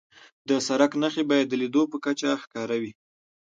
د سړک نښې باید د لید په کچه ښکاره وي.